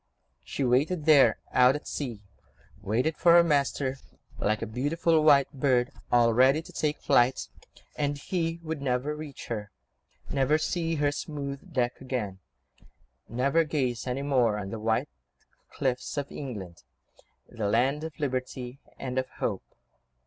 She waited there, out at sea, waited for her master, like a beautiful white bird all ready to take flight, and he would never reach her, never see her smooth deck again, never gaze any more on the white cliffs of England, the land of liberty and of hope.